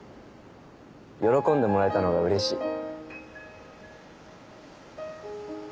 喜んでもらえたのがうれしい。